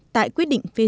tại quyết định phê rửa